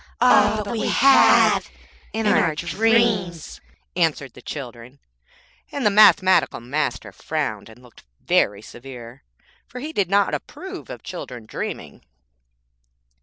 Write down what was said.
'Ah! but we have, in our dreams,' answered the children; and the Mathematical Master frowned and looked very severe, for he did not approve of children dreaming.